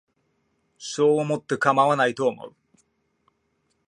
そう思ってかまわないと思う